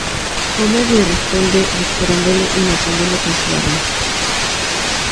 Homer le responde disparándole y matándolo con su arma.